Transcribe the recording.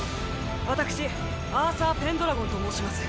私アーサー・ペンドラゴンと申します。